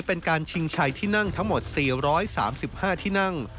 เป็นการชิงชัยที่นั่งทั้งหมด๔๓๕ที่นั่ง